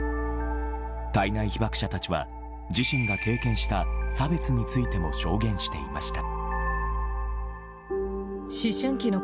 胎内被爆者たちは自身が経験した差別についても証言していました。